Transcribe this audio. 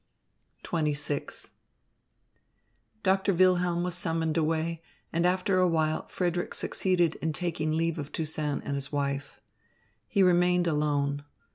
XXVI Doctor Wilhelm was summoned away, and after a while Frederick succeeded in taking leave of Toussaint and his wife. He remained alone.